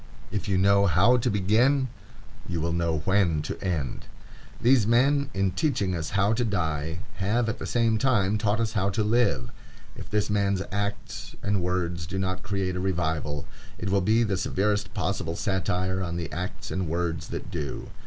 If you know how to begin, you will know when to end. These men, in teaching us how to die, have at the same time taught us how to live. If this man's acts and words do not create a revival, it will be the severest possible satire on the acts and words that do.